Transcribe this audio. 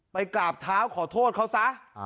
กราบเท้าขอโทษเขาซะ